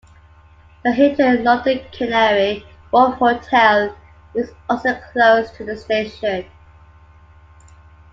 The Hilton London Canary Wharf hotel is also close to the station.